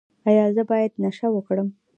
ایا زه باید نشه وکړم؟